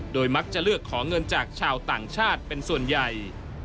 มักจะเลือกขอเงินจากชาวต่างชาติเป็นส่วนใหญ่